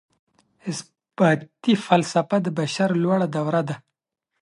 اثباتي فلسفه د بشر لوړه دوره ده.